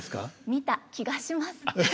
見た気がします。